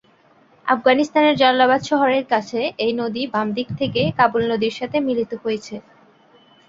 আফগানিস্তানের জালালাবাদ শহরের কাছে এই নদী বাম দিক হতে কাবুল নদীর সাথে মিলিত হয়েছে।